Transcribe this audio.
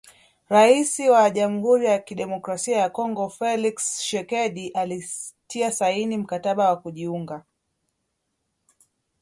Raisi wa Jamhuri ya Kidemokrasia ya Kongo Felix Tchisekedi alitia saini mkataba wa kujiunga